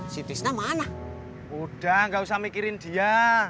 si tisna mana udah nggak usah mikirin dia